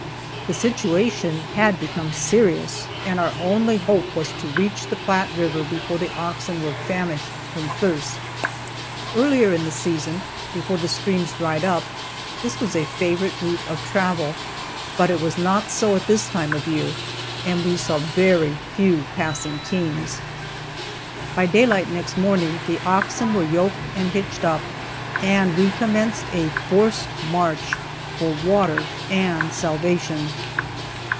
The situation had become serious and our only hope was to reach the Platte river before the oxen were famished from thirst. Earlier in the season, before the streams dried up, this was a favorite route of travel, but it was not so at this time of year and we saw very few passing teams. By daylight next morning the oxen were yoked and hitched up and we commenced a forced march for water and salvation.